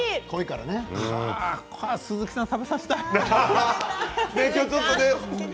鈴木さんにも食べさせたい。